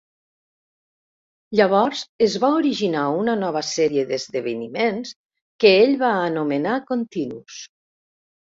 Llavors es va originar una nova sèrie d'esdeveniments que ell va anomenar continus.